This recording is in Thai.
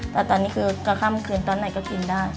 แต่ตอนนี้คือก็ค่ำคืนตอนไหนก็กินได้